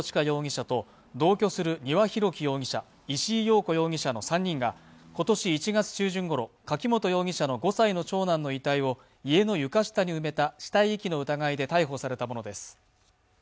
容疑者と同居する丹羽洋樹容疑者、石井陽子容疑者の３人が今年１月中旬ごろ、柿本容疑者の５歳の長男の遺体を家の床下に埋めた死体遺棄の疑いで逮捕されたものです。